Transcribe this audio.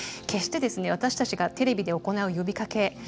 決してですね私たちがテレビで行う呼びかけ